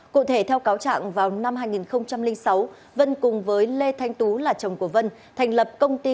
cụ thể theo cáo trạng vào năm hai nghìn sáu vân cùng với lê thanh tú là chồng của vân thành lập công ty